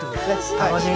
楽しみ。